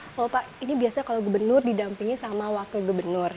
kalau pak ini biasanya kalau gubernur didampingi sama wakil gubernur